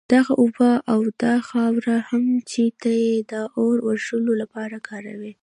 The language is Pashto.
دغه اوبه او دا خاوره هم چي ته ئې د اور وژلو لپاره كاروې